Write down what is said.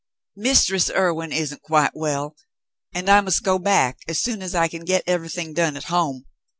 "Mistress Irwin isn't quite well, and I must go back as soon as I can get everything done at home.